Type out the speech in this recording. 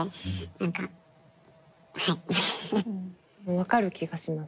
分かる気がします。